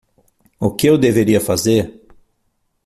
O que eu deveria fazer?